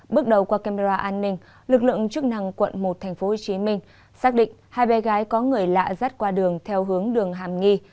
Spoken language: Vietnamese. bước đầu qua camera an ninh lực lượng chức năng quận một tp hcm xác định hai bé gái có người lạ rát qua đường theo hướng đường hàm nghi